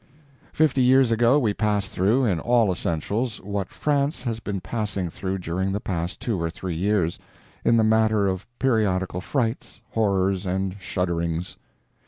Fifty years ago we passed through, in all essentials, what France has been passing through during the past two or three years, in the matter of periodical frights, horrors, and shudderings.